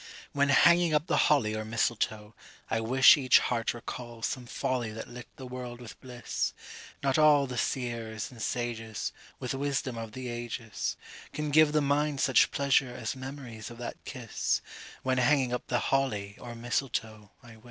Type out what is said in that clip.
When hanging up the holly or mistletoe, I wis Each heart recalls some folly that lit the world with bliss. Not all the seers and sages With wisdom of the ages Can give the mind such pleasure as memories of that kiss When hanging up the holly or mistletoe, I wis.